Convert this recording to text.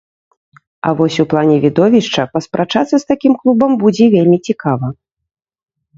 А вось у плане відовішча паспрачацца з такім клубам будзе вельмі цікава.